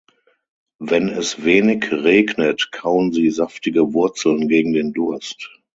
Wenn es wenig regnet, kauen sie saftige Wurzeln gegen den Durst.